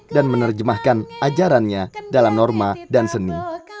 dan menerjemahkan ajarannya dalam norma dan seni